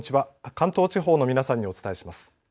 関東地方の皆さんにお伝えします。